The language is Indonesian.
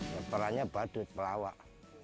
ya perannya badut pelawak